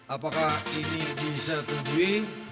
apakah ini bisa ditujui